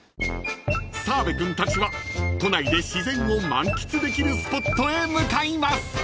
［澤部君たちは都内で自然を満喫できるスポットへ向かいます］